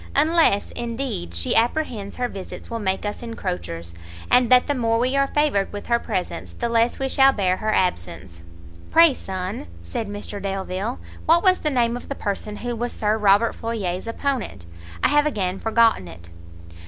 unless, indeed, she apprehends her visits will make us encroachers, and that the more we are favoured with her presence, the less we shall bear her absence." "Pray, son," said Mr Delvile, "what was the name of the person who was Sir Robert Floyer's opponent? I have again forgotten it."